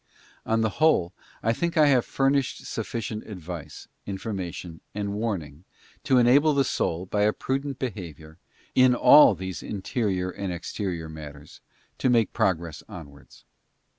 On the whole, I think I have furnished sufficient advice, information, and warning, to enable the soul, by a prudent behaviour, in all these interior and exterior matters, to make progress onwards.